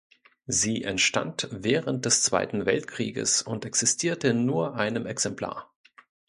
Sie entstand während des Zweiten Weltkrieges und existierte in nur einem Exemplar.